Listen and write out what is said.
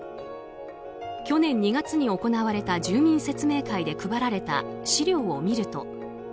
去年２月に行われた住民説明会で配られた資料を見ると